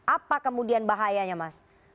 apa kemudian bahayanya mas